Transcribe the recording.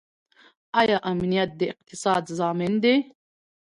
آیا امنیت د اقتصاد ضامن دی؟